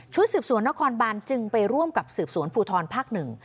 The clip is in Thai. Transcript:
สืบสวนนครบานจึงไปร่วมกับสืบสวนภูทรภาคหนึ่ง